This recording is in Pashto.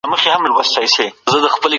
غيري سوله ييز سياست د زور له لاري پلي کېږي.